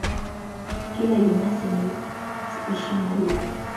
Kila jenasi ina spishi moja tu.